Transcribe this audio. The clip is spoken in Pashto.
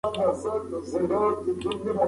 هر ماشوم باید په مینه وروزل سي.